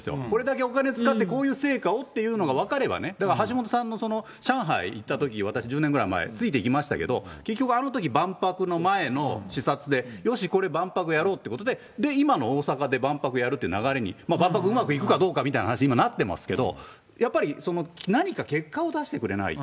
これだけお金使ってこういう成果をっていうのが分かればね、橋下さんのその上海行ったとき、私、１０年ぐらい前、ついていきましたけど、結局あのとき、万博の前の視察で、よし、これで万博やろうって、今の大阪で万博やるって流れに、万博うまくいくかどうかみたいな話に今なってますけど、やっぱり何か結果を出してくれないと。